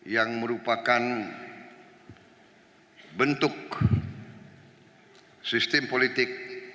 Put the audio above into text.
yang merupakan bentuk sistem politik